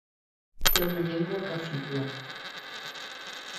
Té una llengua que fibla.